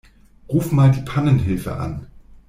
Ruf mal die Pannenhilfe an.